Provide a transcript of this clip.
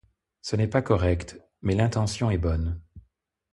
Ce n'est pas correct, mais l'intention est bonne.